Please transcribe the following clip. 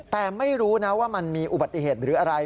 แต่ไม่รู้นะว่ามันมีอุบัติเหตุหรืออะไร